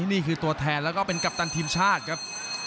นี่คือตัวแทนแล้วก็เป็นกัปตันทีมชาติครับ